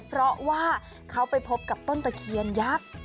เพราะว่าเขาไปพบกับต้นตะเคียนยักษ์